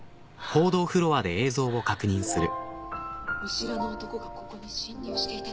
見知らぬ男がここに侵入していた。